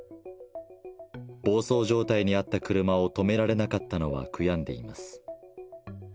暴走状態にあった車を止められなかったのは悔やんでいます。